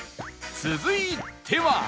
続いては